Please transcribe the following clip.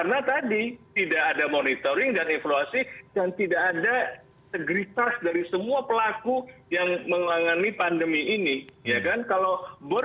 jadi sebenarnya kita punya parameter